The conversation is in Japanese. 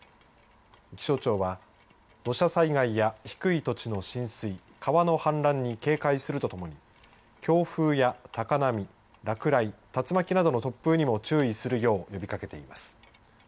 気象庁は土砂災害や低い土地の浸水川の氾濫に警戒するとともに強風や高波落雷、竜巻などの突風にも注意するよう呼びかけています。